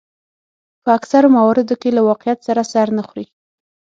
په اکثرو مواردو کې له واقعیت سره سر نه خوري.